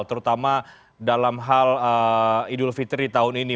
terutama dalam hal idul fitri tahun ini